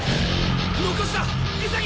残した！